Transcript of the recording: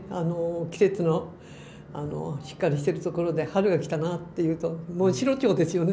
季節のしっかりしてるところで春が来たなっていうとモンシロチョウですよね。